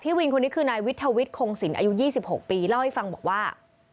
พี่วินคนนี้คือนายวิทยาวิทย์โคงสินอายุยี่สิบหกปีเล่าให้ฟังบอกว่า